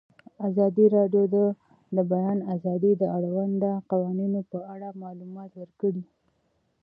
ازادي راډیو د د بیان آزادي د اړونده قوانینو په اړه معلومات ورکړي.